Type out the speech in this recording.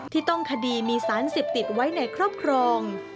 ที่ต้องคดีมีสารเสพติดไว้ในครอบครอง